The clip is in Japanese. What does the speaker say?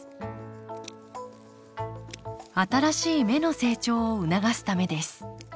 新しい芽の成長を促すためです